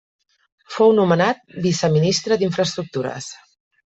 Fou nomenat viceministre d'infraestructures.